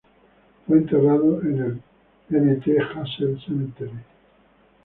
Fue enterrado en el Mt. Hazel Cemetery.